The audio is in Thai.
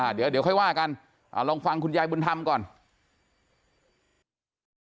อ่ะเดี๋ยวค่อยว่ากันอ่ะลองฟังคุณยายบุญธรรมก่อนยายนอน